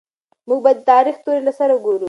موږ به د تاريخ توري له سره ګورو.